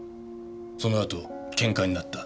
そのあとけんかになった。